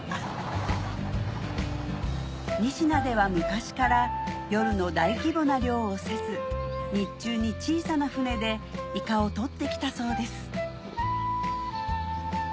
仁科では昔から夜の大規模な漁をせず日中に小さな船でイカを取ってきたそうです